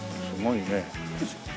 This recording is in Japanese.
すごいね。